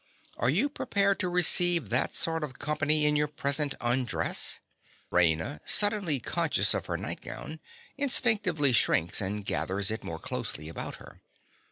Are you prepared to receive that sort of company in your present undress? (_Raina, suddenly conscious of her nightgown, instinctively shrinks and gathers it more closely about her.